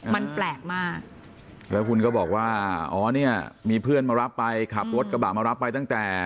มันแปลกมากแล้วคุณก็บอกว่าอ๋อเนี่ยมีเพื่อนมารับไปขับรถกระบะมารับไปตั้งแต่